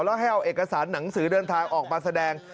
แล้วให้เอาเอกสารหนังสือเดินทางออกมาแสดง